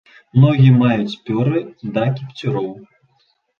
Ногі маюць пёры да кіпцюроў.